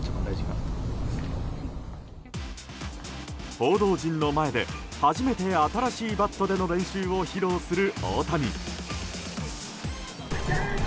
報道陣の前で初めて新しいバットでの練習を披露する大谷。